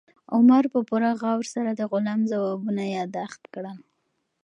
عمر په پوره غور سره د غلام ځوابونه یاداښت کړل.